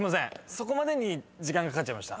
そこまでに時間がかかっちゃいました。